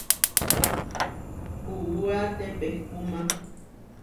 Puúa tepehkúma.